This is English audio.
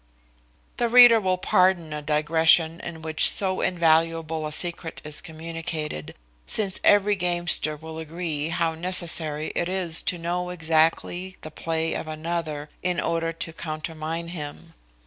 The reader will pardon a digression in which so invaluable a secret is communicated, since every gamester will agree how necessary it is to know exactly the play of another, in order to countermine him.